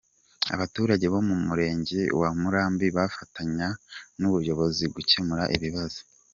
Abaturage bo mu murenge wa Murambi bafatanya n’ubuyobozi gukemura ibibazo.